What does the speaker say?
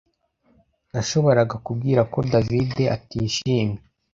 Nashoboraga kubwira ko David atishimye